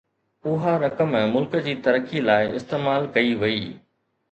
اها رقم ملڪ جي ترقي لاءِ استعمال ڪئي وئي